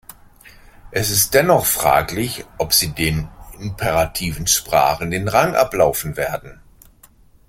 Es ist dennoch fraglich, ob sie den imperativen Sprachen den Rang ablaufen werden.